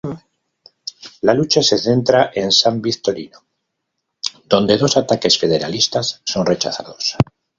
La lucha se centra en San Victorino, donde dos ataques federalistas son rechazados.